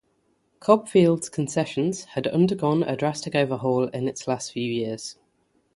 Cobb Field's concessions had undergone a drastic overhaul in its last few years.